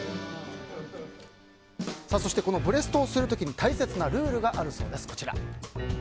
そして、ブレストをする時に大切なルールがあるそうです。